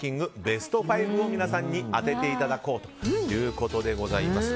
ベスト５を皆さんに当てていただこうということでございます。